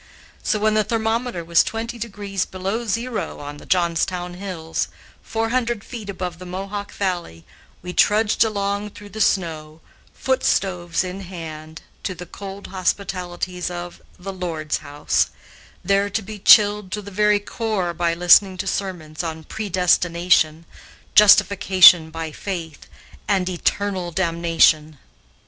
So, when the thermometer was twenty degrees below zero on the Johnstown Hills, four hundred feet above the Mohawk Valley, we trudged along through the snow, foot stoves in hand, to the cold hospitalities of the "Lord's House," there to be chilled to the very core by listening to sermons on "predestination," "justification by faith," and "eternal damnation."